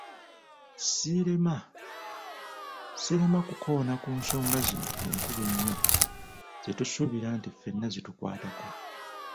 Sirema kukoona ku nsonga zino enkulu ennyo zetusuubira nti fenna zitukwatako.